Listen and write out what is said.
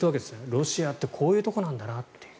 ロシアってこういうところなんだなって。